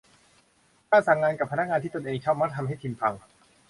การสั่งงานกับพนักงานที่ตนเองชอบมักทำให้ทีมพัง